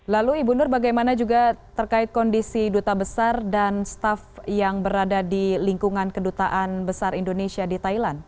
lalu ibu nur bagaimana juga terkait kondisi duta besar dan staff yang berada di lingkungan kedutaan besar indonesia di thailand